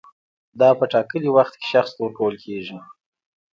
دا په ټاکلي وخت کې شخص ته ورکول کیږي.